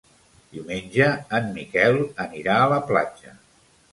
Diumenge en Miquel anirà a la platja.